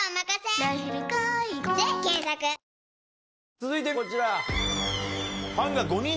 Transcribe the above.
続いてこちら。